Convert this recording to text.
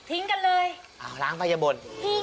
ทิ้งกันเลยล้างไปอย่าบ่น